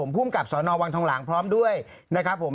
ภูมิกับสนวังทองหลางพร้อมด้วยนะครับผม